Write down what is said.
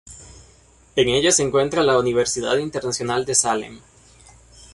En ella se encuentra la Universidad Internacional de Salem.